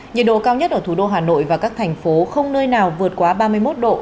nhiệt độ cao nhất ở thủ đô hà nội và các thành phố không nơi nào vượt quá ba mươi một độ